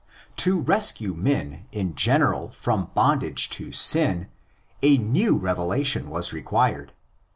To rescue men in general from bondage to sin, a new revelation was required.